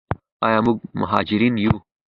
آیا موږ مهاجرین یو؟